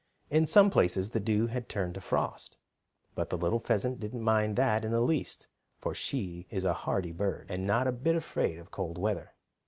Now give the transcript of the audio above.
In some places the dew had turned to frost, but the little pheasant didn't mind that in the least, for she is a hardy bird, and not a bit afraid of cold weather.